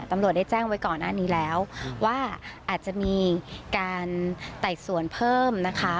ตำรวจได้แจ้งไว้ก่อนหน้านี้แล้วว่าอาจจะมีการไต่สวนเพิ่มนะคะ